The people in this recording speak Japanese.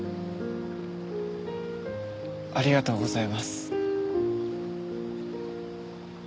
ありがとうございます。